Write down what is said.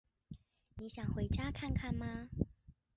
你想回家看看吗？